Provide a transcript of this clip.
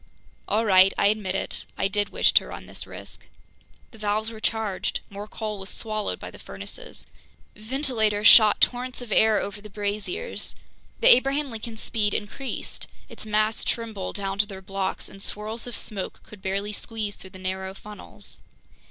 All right, I admit it: I did wish to run this risk! The valves were charged. More coal was swallowed by the furnaces. Ventilators shot torrents of air over the braziers. The Abraham Lincoln's speed increased. Its masts trembled down to their blocks, and swirls of smoke could barely squeeze through the narrow funnels.